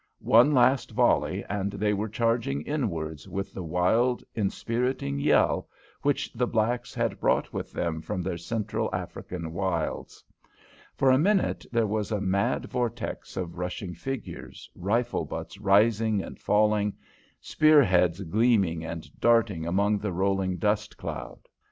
One last volley and they were charging inwards with the wild inspiriting yell which the blacks had brought with them from their central African wilds. For a minute there was a mad vortex of rushing figures, rifle butts rising and falling, spearheads gleaming and darting among the rolling dust cloud.